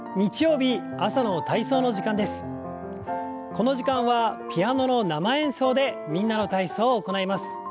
この時間はピアノの生演奏で「みんなの体操」を行います。